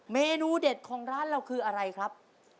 เมนูเด็ดของร้านเราคืออะไรครับ